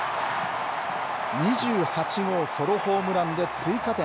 ２８号ソロホームランで追加点。